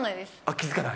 気付かない？